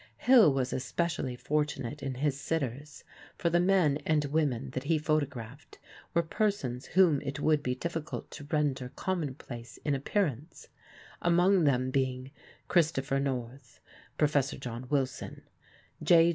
Hill was especially fortunate in his sitters, for the men and women that he photographed were persons whom it would be difficult to render commonplace in appearance, among them being Christopher North (Professor John Wilson), J.